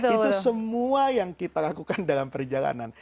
itu semua yang kita lakukan dalam perjalanan